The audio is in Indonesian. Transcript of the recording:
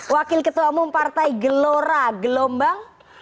wakil ketua umum partai gelora gelombang